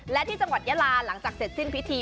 และที่จังหวัดยาลาหลังจากเสร็จสิ้นพิธี